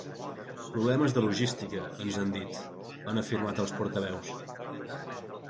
Problemes de logística, ens han dit, han afirmat els portaveus.